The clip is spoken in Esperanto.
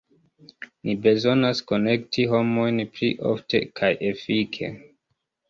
Ni bezonas konekti homojn pli ofte kaj efike.